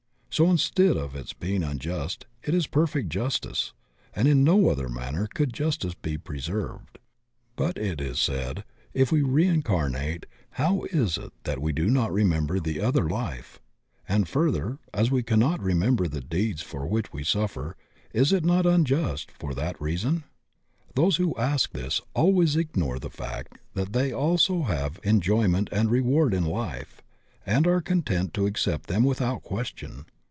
So instead of its I^ing unjust, it is perfect justice, and in no other manner could justice be preserved. MBMORY NOT ESSENTIAL TO JUSTICE 75 But, it is said, if we reincarnate, how is it that we do not remember the other life; and further, as we cannot remember the deeds for which we suffer is it not unjust for that reason? Those who ask this always ignore the fact that they also have enjoyment and reward in life and are content to accept them without question.